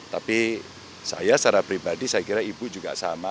tapi saya secara pribadi saya kira ibu juga sama